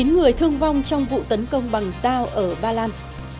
chín người thương vong trong vụ tấn công bằng dao ở ba lan